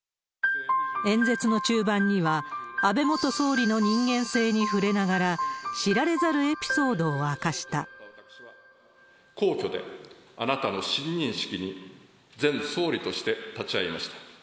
演説の中盤には、安倍元総理の人間性に触れながら、知られざ皇居であなたの親任式に前総理として立ち会いました。